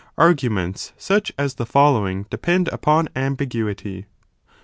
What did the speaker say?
Arguments such as the following depend upon ambiguity.